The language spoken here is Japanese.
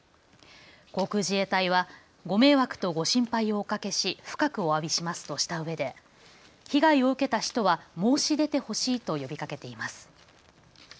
航空自衛隊はご迷惑とご心配をおかけし深くおわびしますとしたうえで被害を受けた人は申し出てほしいと呼びかけています。